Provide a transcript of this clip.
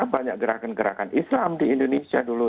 banyak gerakan gerakan islam di indonesia dulu